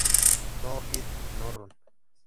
No hit no run